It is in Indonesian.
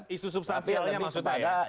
isu substansi maksudnya ya